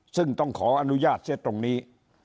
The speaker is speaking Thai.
ซึ่งต้องขออนุญาตเสียตรงนี้